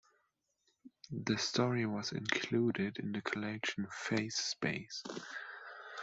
The story was included in the collection "Phase Space".